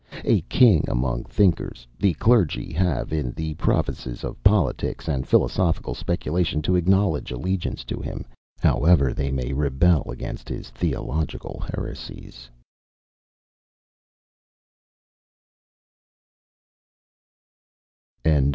A king among thinkers, the clergy have in the provinces of politics and philosophical speculation to acknowledge allegiance to him, however they may rebel against his theological heresies.